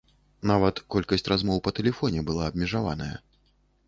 Нават колькасць размоў па тэлефоне была абмежаваная.